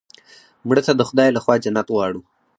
مړه ته د خدای له خوا جنت غواړو